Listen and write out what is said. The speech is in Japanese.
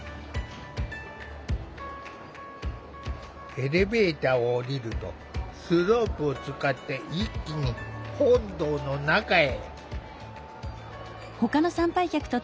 エレベーターを降りるとスロープを使って一気に本堂の中へ。